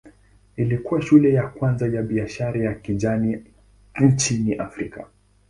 Ilikuwa shule ya kwanza ya biashara ya kijani nchini Afrika.